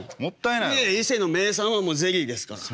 いやいや伊勢の名産はもうゼリーですから。